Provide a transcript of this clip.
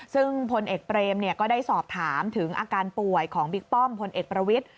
ซึ่งพลเอกเปรมก็ได้สอบถามถึงอาการป่วยของบิ๊กป้อมพลเอกประวิทธิ